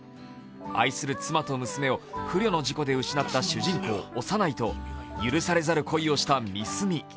愛する妻と娘を不慮の事故で失った主人公・小山内と許されざる恋をした三角。